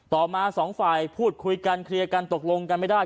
ต่อมาสองฝ่ายพูดคุยกันเคลียร์กันตกลงกันไม่ได้